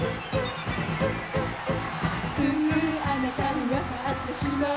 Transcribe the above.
「すぐあなたにわかってしまう」